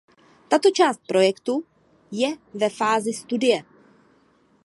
Tato část projektu je ve fázi studie.